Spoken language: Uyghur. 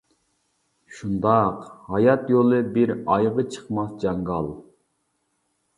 شۇنداق، ھايات يولى بىر ئايىغى چىقماس جاڭگال.